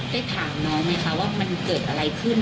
ได้ถามน้องไหมคะว่ามันเกิดอะไรขึ้น